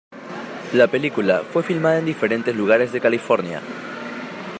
La película fue filmada en diferentes lugares de California.